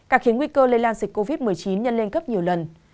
cả khiến nguy cơ lây lan dịch covid một mươi chín nhân lên cấp nhiều lần